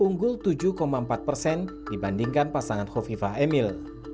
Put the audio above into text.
unggul tujuh empat persen dibandingkan pasangan kofifah emil